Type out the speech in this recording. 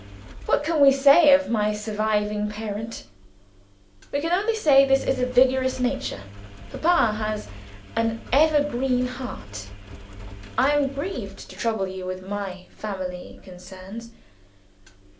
What can we say of my surviving parent? We can only say, This is a vigorous nature; Papa has an evergreen heart. I am grieved to trouble you with my family concerns.